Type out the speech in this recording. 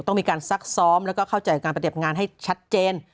ต้องมีการซักซ้อมแล้วก็เข้าใจการปฏิบัติงานให้ชัดเจน